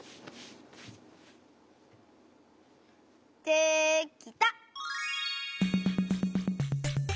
できた！